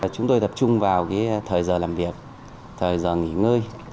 chúng tôi tập trung vào thời giờ làm việc thời giờ nghỉ ngơi